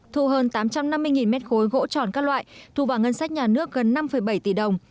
thu hơn tám trăm năm mươi mét khối gỗ tròn các loại thu vào ngân sách nhà nước gần năm bảy tỷ đồng